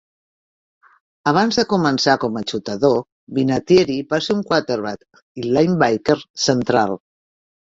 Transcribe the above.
Abans de començar com a xutador, Vinatieri va ser quarterback i linebacker central.